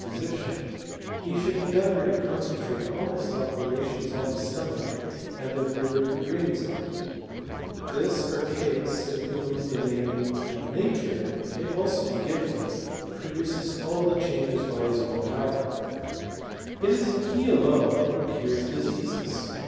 physician, he should endeavour to concentrate all \ai^' ^ operations on the stomach and the ruler who reigns in it«^ 1 This Archeeus to whom the name of Nature may abqf '; :i CHEMISTRT OF PARACELSUS. i61 be gnreiiy produce all the changes by his own power. It is he alone who cures diseases.